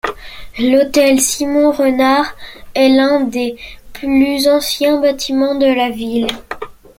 L'Hôtel Simon Renard est l'un des plus anciens bâtiments de la ville.